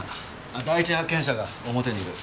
第一発見者が表にいる。